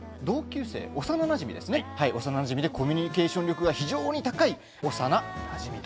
そして只野君の幼なじみコミュニケーション力が非常に高い長名なじみ。